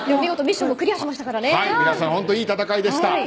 皆さんいい戦いでした。